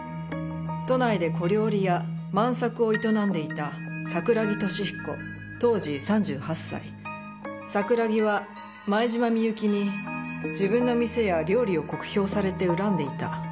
「都内で小料理屋万さくを営んでいた桜木敏彦当時３８歳」「桜木は前島美雪に自分の店や料理を酷評されて恨んでいた」